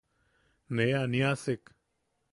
Ne aaniasek.